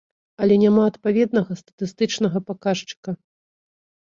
Але няма адпаведнага статыстычнага паказчыка.